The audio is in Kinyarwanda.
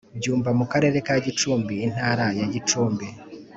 Byumba mu Karere ka Gicumbi Intara ya Gicumbi